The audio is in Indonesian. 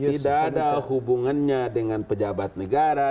tidak ada hubungannya dengan pejabat negara